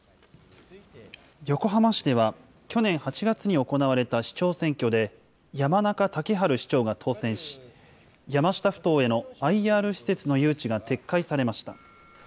横浜市では、去年８月に行われた市長選挙で、山中竹春市長が当選し、山下ふ頭へのＩＲ施設の誘致が撤回されました。